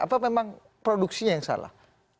apa memang produksinya yang salah